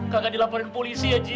kagak dilaporin ke polisi ya ji